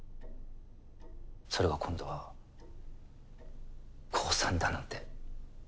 それが今度は降参だなんて。